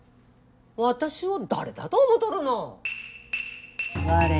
私を誰だと思っとるの。